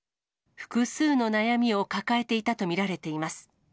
複数の悩みを抱えていたと見られています。